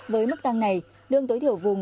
với mức tăng này lương tối thiểu vùng